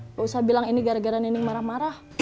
nggak usah bilang ini gara gara nining marah marah